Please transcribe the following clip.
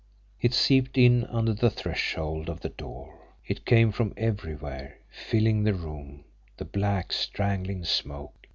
It seeped in under the threshold of the door, it came from everywhere, filling the room the black, strangling smoke.